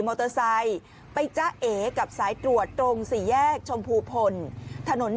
มอเตอร์ไซค์ไปจ้าเอกับสายตรวจตรงสี่แยกชมพูพลถนน